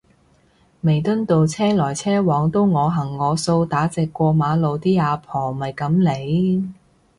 彌敦道車來車往都我行我素打直過馬路啲阿婆咪噉嚟